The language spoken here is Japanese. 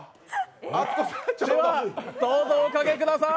どうぞ、おかけください。